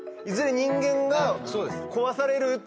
いずれ人間が壊される。